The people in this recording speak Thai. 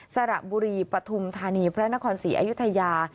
สระบุรีปฐุมธานีพระนครศรีอยุธยา